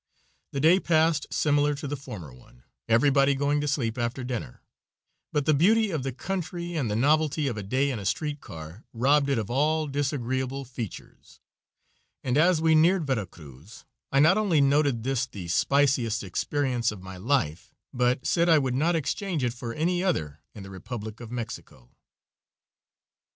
The day passed similar to the former one, everybody going to sleep after dinner; but the beauty of the country, and the novelty of a day in a street car, robbed it of all disagreeable features, and as we neared Vera Cruz I not only noted this the spiciest experience of my life, but said I would not exchange it for any other in the Republic of Mexico.